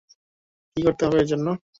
কী করতে হবে এর জন্য?